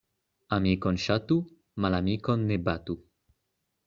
Amikon ŝatu, malamikon ne batu.